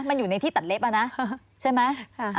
มันอยู่ในที่ตัดเล็บอะนะใช่ไหม